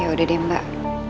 udah deh mbak